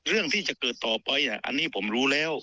เรื่องที่จะเกิดต่อไปอันนี้ผมรู้แล้ว